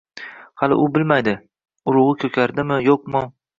Hali u bilmaydi: urug‘i ko‘karadimi- yo‘qmi?